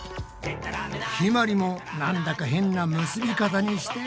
ひまりもなんだか変な結び方にして！